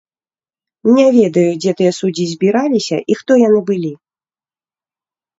Не ведаю, дзе тыя суддзі збіраліся і хто яны былі.